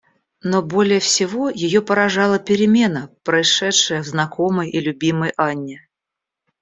Но более всего ее поражала перемена, происшедшая в знакомой и любимой Анне.